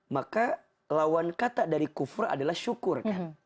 maka lawan kata dari kufur adalah syukur kan